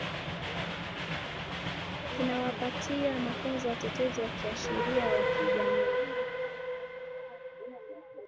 kinawapatia mafunzo watetezi wa kisheria wa kijamii